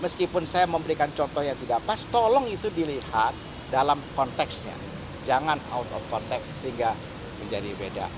soal pernyataan amplop kiai